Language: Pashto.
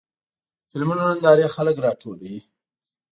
د فلمونو نندارې خلک راټولوي.